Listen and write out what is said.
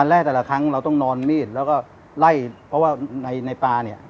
ปลาว่างหางเราไม่เอาร่อย